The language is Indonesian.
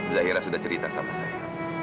zahira sudah cerita sama saya